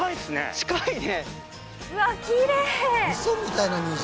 近いね。